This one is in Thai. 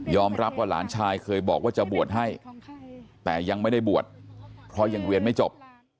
รับว่าหลานชายเคยบอกว่าจะบวชให้แต่ยังไม่ได้บวชเพราะยังเรียนไม่จบ